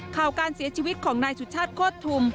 ข่าวการเสียชีวิตของนายสุชาติโคตรทุม